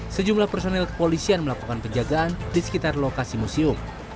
sejumlah personel kepolisian melakukan penjagaan di sekitar lokasi museum